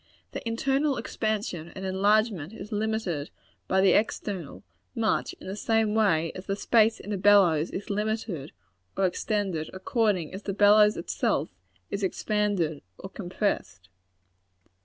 Their internal expansion and enlargement is limited by the external, much in the same way as the space in a bellows is limited or extended according as the bellows itself is expanded or compressed.